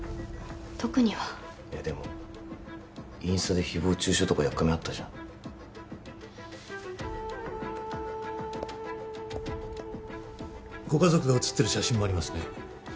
特にはえでもインスタで誹謗中傷とかやっかみあったじゃんご家族が写ってる写真もありますね